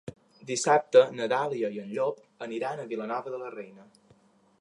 Dissabte na Dàlia i en Llop aniran a Vilanova de la Reina.